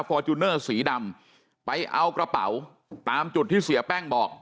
จูเนอร์สีดำไปเอากระเป๋าตามจุดที่เสียแป้งบอก